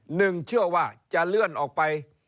หนึ่งเชื่อว่าจะเลื่อนออกไป